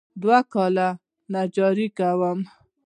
دوه کاله نجاري کوم.